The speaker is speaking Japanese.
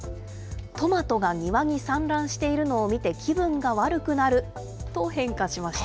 トマトが庭に散乱しているのを見て、気分が悪くなると変化しまし